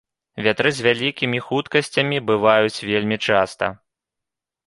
Вятры з вялікімі хуткасцямі бываюць вельмі часта.